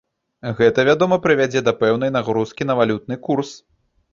Гэта, вядома, прывядзе да пэўнай нагрузкі на валютны курс.